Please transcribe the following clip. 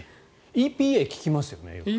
ＥＰＡ、聞きますよね、よく。